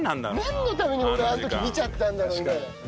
なんのために俺はあの時見ちゃったんだろうって。